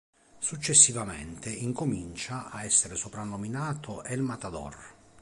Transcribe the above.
Successivamente incomincia a essere soprannominato "El Matador".